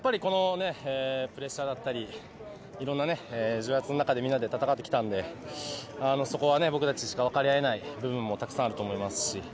プレッシャーやいろんな重圧の中でみんなで戦ってきたので、僕たちしかわかり合えない部分もたくさんあると思います。